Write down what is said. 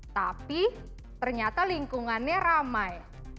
tapi ternyata lingkungannya ramai